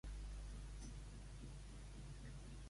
Quina contradicció hi ha al seu discurs respecte de Colau?